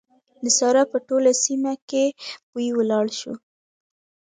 د سارا په ټوله سيمه کې بوی ولاړ شو.